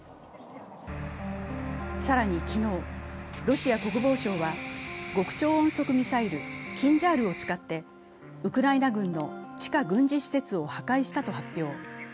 更に昨日、ロシア国防省は極超音速ミサイル、キンジャールを使ってウクライナ軍の地下軍事施設を破壊したと発表。